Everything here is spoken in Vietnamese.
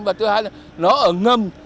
và thứ hai là nó ở ngầm